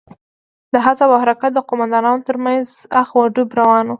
د حزب او حرکت د قومندانانو تر منځ اخ و ډب روان و.